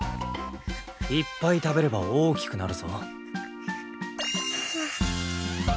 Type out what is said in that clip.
いっぱい食べれば大きくなるぞ。